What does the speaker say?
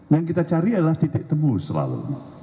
yang kita cari adalah titik tebu selalu